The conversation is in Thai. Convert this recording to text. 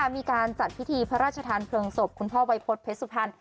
มีการจัดพิธีพระราชทานเพลิงศพคุณพ่อวัยพฤษเพชรสุพรรณ